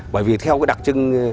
bởi vì theo đặc trưng